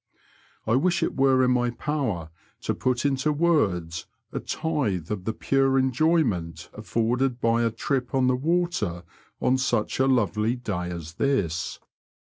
I wish it were in my power to put into words a tithe of the pure enjoyment afforded by a trip on the water on such a lovely day as this.